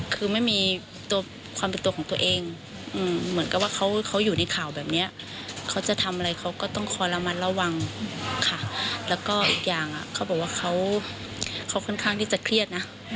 เขาค่อนข้างที่จะเครียดนะ